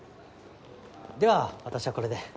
では私はこれで。